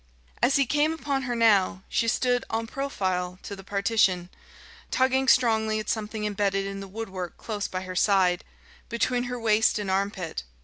As he came upon her now, she stood en profile to the partition, tugging strongly at something embedded in the woodwork close by her side, between her waist and armpit.